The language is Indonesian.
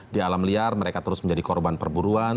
di alam liar mereka terus menjadi korban perburuan